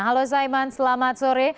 halo saiman selamat sore